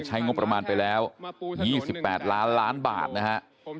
ใช้งบประมาณไปแล้ว๒๘ล้านล้านบาทนะฮะ